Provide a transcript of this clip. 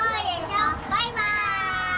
バイバイ！